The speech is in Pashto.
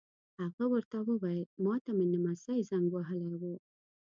هغه ور ته وویل: ما ته مې نمسی زنګ وهلی و.